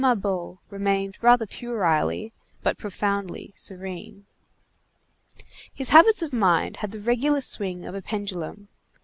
Mabeuf remained rather puerilely, but profoundly serene. His habits of mind had the regular swing of a pendulum.